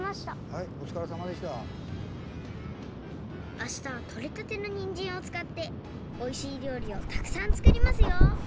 あしたはとれたてのにんじんをつかっておいしいりょうりをたくさんつくりますよ！